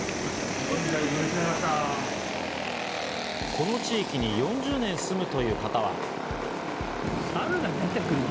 この地域に４０年住むという方は。